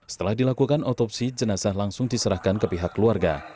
setelah dilakukan otopsi jenazah langsung diserahkan ke pihak keluarga